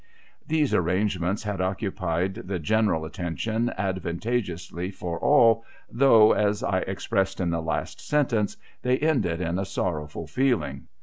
These arrangements had occupied the general attention advan tageously for all, though (as I expressed in the last sentence) they ended in a sorrowful feeling.